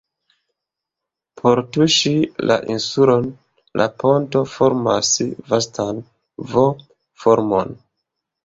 Por tuŝi la insulon la ponto formas vastan V-formon.